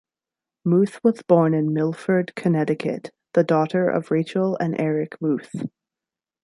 Muth was born in Milford, Connecticut, the daughter of Rachel and Erich Muth.